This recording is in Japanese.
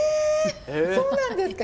そうなんですか？